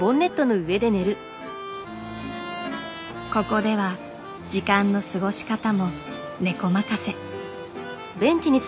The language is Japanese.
ここでは時間の過ごし方もネコまかせ。